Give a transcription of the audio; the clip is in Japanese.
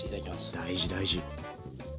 大事大事。